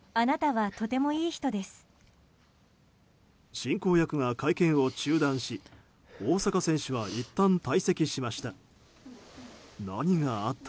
進行役が会見を中断し大坂選手はいったん退席しました。